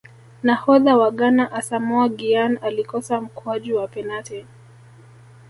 nahodha wa ghana asamoah gyan alikosa mkwaju wa penati